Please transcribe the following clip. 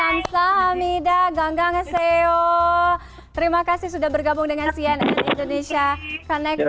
kamsahamnida ganggangeseo terima kasih sudah bergabung dengan cnn indonesia connected